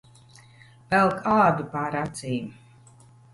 Velk ādu pār acīm.